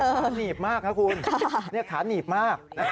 ขาหนีบมากนะคุณขาหนีบมาก